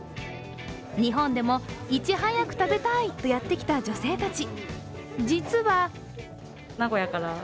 日本でもいち早く食べたい！とやってきた女性たち。